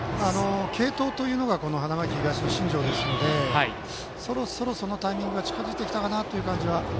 継投というのが花巻東の身上ですのでそろそろ、そのタイミングが近づいてきたかなと。